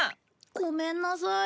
ごめんなさい。